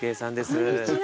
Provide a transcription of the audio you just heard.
こんにちは。